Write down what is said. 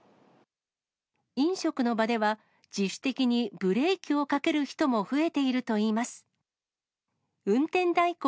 飲食の場では、自主的にブレーキをかける人も増えているといいます。